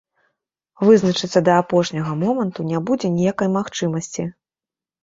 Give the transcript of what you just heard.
Вызначыцца да апошняга моманту не будзе ніякай магчымасці.